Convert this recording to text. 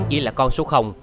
chỉ là con số